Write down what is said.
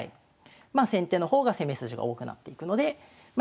まあ先手の方が攻め筋が多くなっていくのではい。